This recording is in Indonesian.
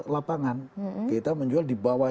lapangan kita menjual di bawah